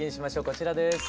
こちらです。